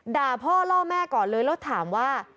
ด่าพ่อล่อแม่ก่อนเลยแล้วถามว่า